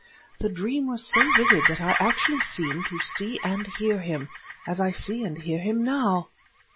The dream was so vivid that I actually seemed to see and hear him, as I see and hear him now."